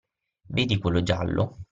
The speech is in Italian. Vedi quello giallo?